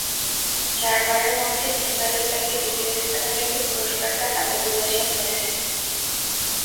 চারবারের মধ্যে তিনবারই তাঁকে দ্বিতীয় স্থানে রেখে পুরস্কারটা হাতে তুলেছেন মেসি।